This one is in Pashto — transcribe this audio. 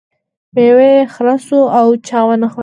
میوه یې خره شوه او چا ونه خوړه.